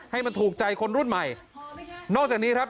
ให้มันถูกใจคนรุ่นใหม่นอกจากนี้ครับ